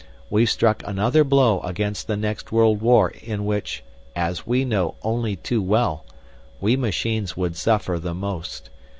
We've struck another blow against the next world war, in which as we know only too well! we machines would suffer the most.